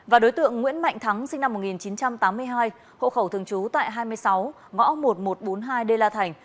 và đối tượng nguyễn mạnh thắng sinh năm một nghìn chín trăm tám mươi hai hộ khẩu thường trú tại hai mươi sáu ngõ một nghìn một trăm bốn mươi hai đê la thành